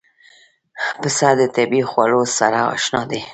پسه د طبیعي خوړو سره اشنا دی.